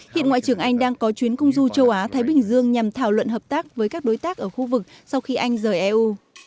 hiện ngoại trưởng anh đang có chuyến công du châu á thái bình dương nhằm thảo luận hợp tác với các đối tác ở khu vực sau khi anh rời eu